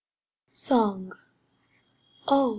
Song Oh!